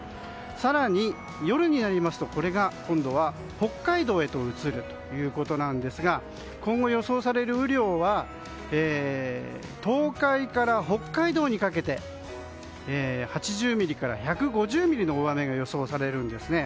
更に、夜になるとこれが北海道へと移るということですが今後予想される雨量は東海から北海道にかけて８０ミリから１５０ミリの大雨が予想されるんです。